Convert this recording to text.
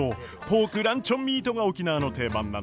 ポークランチョンミートが沖縄の定番なんです。